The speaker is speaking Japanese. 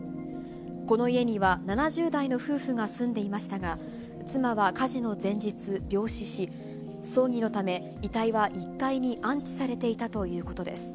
この家には、７０代の夫婦が住んでいましたが、妻は火事の前日、病死し、葬儀のため、遺体は１階に安置されていたということ。